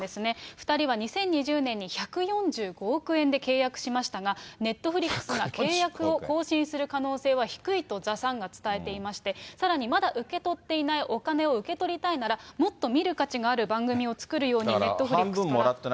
２人は２０２０年に１４５億円で契約しましたが、ネットフリックスが契約を更新する可能性は低いとザ・サンが伝えていまして、さらにまだ受け取っていないお金を受け取りたいなら、もっと見る価値がある番組を作るように、ネットフリックスから求められたと。